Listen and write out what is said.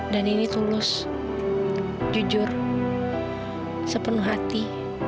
dan ini tulus jujur sepenuh hati